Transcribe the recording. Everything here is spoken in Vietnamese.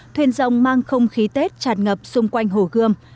thuyền dòng mang không khí tết tràn ngập xung quanh hồ gươm